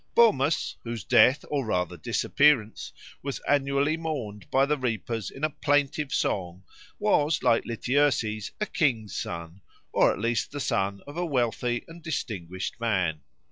Bormus, whose death or rather disappearance was annually mourned by the reapers in a plaintive song, was, like Lityerses, a king's son or at least the son of a wealthy and distinguished man.